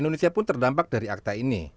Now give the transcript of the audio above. indonesia pun terdampak dari akta ini